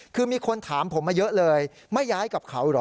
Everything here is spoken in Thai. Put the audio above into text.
คือมีคนถามผมมาเยอะเลยไม่ย้ายกับเขาเหรอ